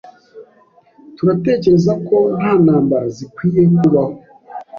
Turatekereza ko nta ntambara zikwiye kubaho